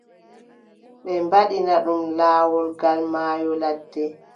Ɓe mbaɗina ɗum, laawol gal maayo ladde.